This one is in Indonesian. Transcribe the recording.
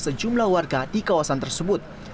sejumlah warga tetap menyebabkan penyusul